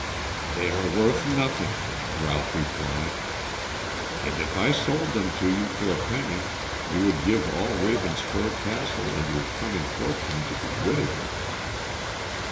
"They are worth nothing," Ralph replied. "And if I sold them to you for a penny you would give all Ravenspur Castle and your coming fortune to be rid of them."